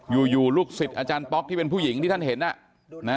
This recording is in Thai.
ลูกศิษย์อาจารย์ป๊อกที่เป็นผู้หญิงที่ท่านเห็น